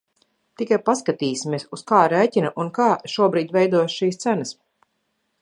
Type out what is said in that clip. Tikai paskatīsimies, uz kā rēķina un kā šobrīd veidojas šīs cenas.